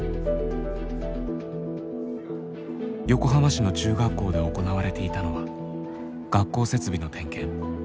横浜市の中学校で行われていたのは学校設備の点検。